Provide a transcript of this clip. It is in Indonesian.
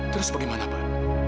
terus bagaimana pak